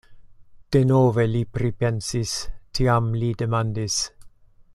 Denove li pripensis, tiam li demandis: